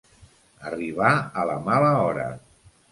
Arribar a la mala hora.